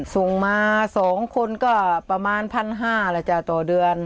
ส่งมา๒คนก็ประมาณ๑๕๐๐แล้วจ้ะต่อเดือน